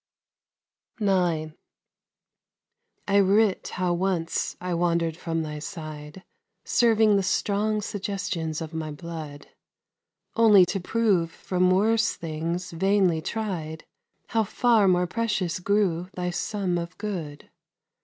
IX I writ how once I wander'd from thy side, Serving the strong suggestions of my blood, Only to prove from worse things vainly tried How far more precious grew thy sum of good.